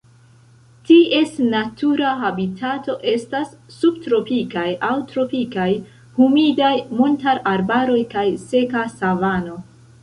Ties natura habitato estas subtropikaj aŭ tropikaj humidaj montararbaroj kaj seka savano.